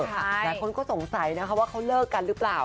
หลายคนก็สงสัยนะคะว่าเขาเลิกกันหรือเปล่า